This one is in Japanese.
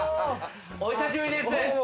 お久しぶりです。